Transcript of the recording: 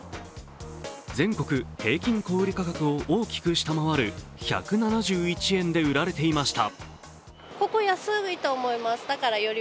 全国平均小売価格を大きく下回る１７１円で売られていました。